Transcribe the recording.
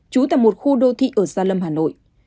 trú tại một khu đô thị ở gia lâm hà nội